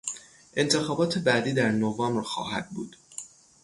انتخابات بعدی در نوامبر خواهد بود.